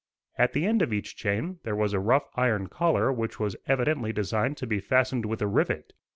At the end of each chain there was a rough iron collar which was evidently designed to be fastened with a rivet.